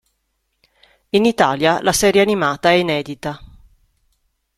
In Italia la serie animata è inedita.